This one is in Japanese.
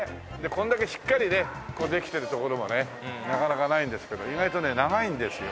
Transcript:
これだけしっかりねできてるところもねなかなかないんですけど意外とね長いんですよ